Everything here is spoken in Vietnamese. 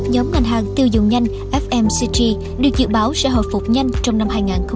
nhóm ngành hàng tiêu dùng nhanh fmcg được dự báo sẽ hồi phục nhanh trong năm hai nghìn hai mươi